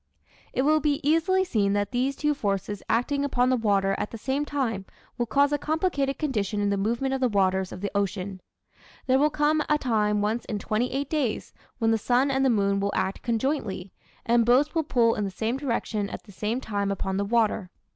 It will be easily seen that these two forces acting upon the water at the same time will cause a complicated condition in the movement of the waters of the ocean. There will come a time once in twenty eight days when the sun and the moon will act conjointly, and both will pull in the same direction at the same time upon the water.